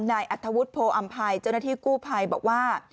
นายอัธวุฒิโพออำภัยเจ้าหน้าที่กู้ภัยบอกว่า